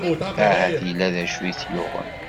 Ahat illa d acu i t-yuɣen.